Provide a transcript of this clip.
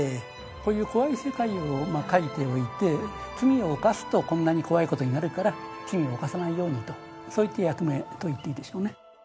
こういう怖い世界を描いておいて罪を犯すとこんなに怖い事になるから罪を犯さないようにとそういった役目といっていいでしょうね。